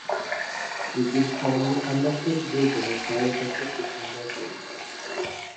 لېكىن، كۆڭلىگە قانداقتۇر بىر گۇمان سايە تاشلاپ ئۆتكەندەك بولدى.